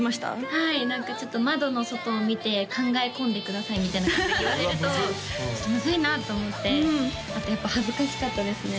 はい何かちょっと「窓の外を見て考え込んでください」みたいなことを言われるとうわっむずっむずいなと思ってあとやっぱ恥ずかしかったですね